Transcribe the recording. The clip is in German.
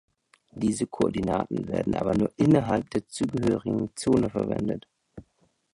Diese Koordinaten werden aber nur innerhalb der zugehörigen Zone verwendet.